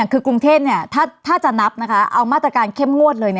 คือกรุงเทพถ้าจะนับเอามาตรการเข้มงวดเลย